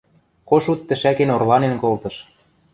Кошут тӹшӓкен орланен колтыш.